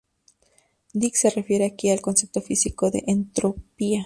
Dick se refiere aquí al concepto físico de "entropía".